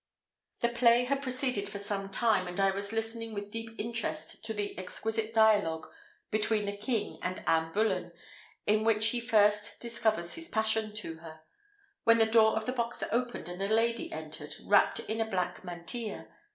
The play had proceeded for some time, and I was listening with deep interest to the exquisite dialogue between the king and Anne Bullen, in which he first discovers his passion to her, when the door of the box opened, and a lady entered, wrapped in a black mantilla.